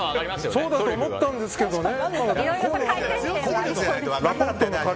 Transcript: そうだとは思ったんですけどね。